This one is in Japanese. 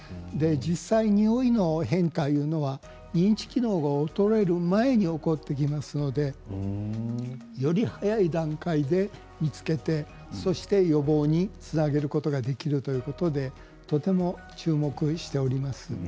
実際、においの変化というのは認知機能が衰える前に起こってきますのでより早い段階で見つけてそして予防につなげることができるということでとても注目しております。